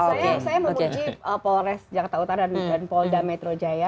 saya memuji polres jakarta utara dan polres metro jaya